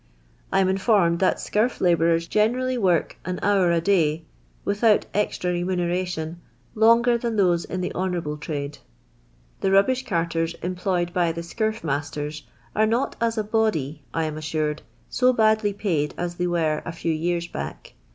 I am informed that scurf labourers generally work an hour a ' day, without extra remaneration, longer than thoie I in the honourable trade. The rubbish carters employed by the Karf masU rs are not, as a body, I am assured, to badly paid as th'^y were a few years back.